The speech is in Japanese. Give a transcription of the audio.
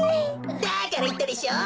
だからいったでしょう。